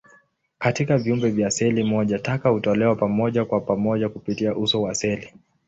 Katika viumbe vya seli moja, taka hutolewa moja kwa moja kupitia uso wa seli.